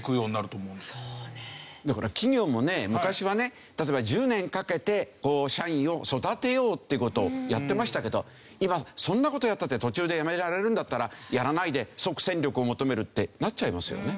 だから企業もね昔はね例えば１０年かけて社員を育てようっていう事をやってましたけど今そんな事をやったって途中で辞められるんだったらやらないで即戦力を求めるってなっちゃいますよね。